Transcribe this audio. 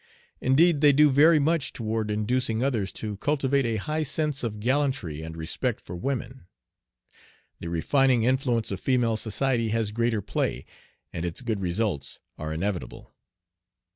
Indeed, they do very much toward inducing others to cultivate a high sense of gallantry and respect for women. The refining influence of female society has greater play, and its good results are inevitable.